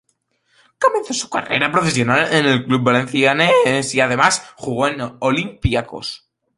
Comenzó su carrera profesional en el club Valenciennes y además jugó en Olympiacos.